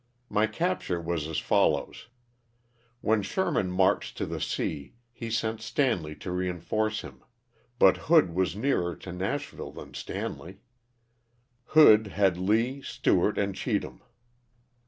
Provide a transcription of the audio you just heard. My capture was as follows : When Sherman marched to the sea he sent Stanley to reinforce him, but Hood was nearer to Nashville than Stanley. Hood had Lee, Stewart and Cheatham.